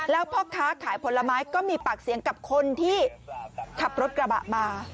แล้วพ่อค้าขายผลไม้ก็มีปากเสียงกับคนที่ขับรถกระบะมา